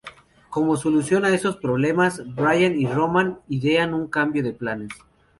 Como solución a estos problemas, Brian y Roman idean un cambio de planes.